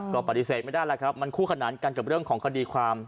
ก็ปฏิเสธไม่ได้แล้วครับมันคู่ขนานกันกับเรื่องของคดีความ